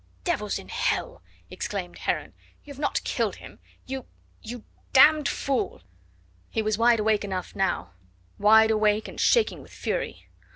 "Devils in hell!" exclaimed Heron, "you have not killed him? You you d d fool!" He was wide awake enough now; wide awake and shaking with fury.